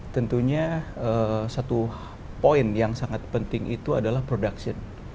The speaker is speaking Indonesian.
tentunya satu poin yang sangat penting itu adalah production